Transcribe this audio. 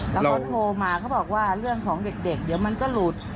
แล้วเขาโทรมาเขาบอกว่าเรื่องของเด็กเดี๋ยวมันก็หลุด